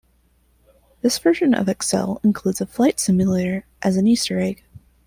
This version of Excel includes a flight simulator as an Easter Egg.